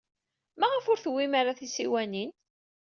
Maɣef ur tewwim ara tisiwanin?